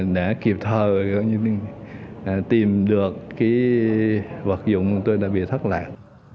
đã kịp thời tìm được vật dụng tôi đã bị thất lạc